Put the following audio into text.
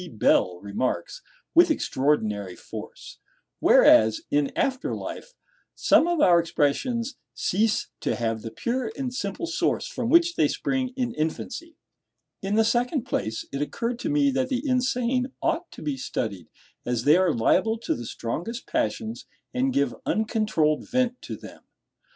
Bell remarks, "with extraordinary force;" whereas, in after life, some of our expressions "cease to have the pure and simple source from which they spring in infancy." In the second place, it occurred to me that the insane ought to be studied, as they are liable to the strongest passions, and give uncontrolled vent to them.